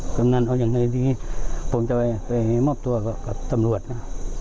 กำนันเอายังไงดีผมจะไปมอบตัวกับตำรวจนะ